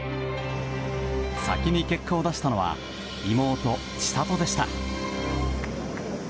先に結果を出したのは妹・千怜でした。